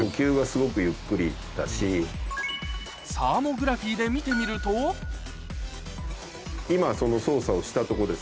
サーモグラフィーで見てみると今その操作をしたとこです。